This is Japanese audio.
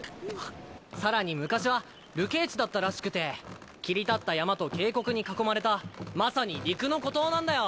更に昔は流刑地だったらしくて切り立った山と渓谷に囲まれたまさに陸の孤島なんだよ。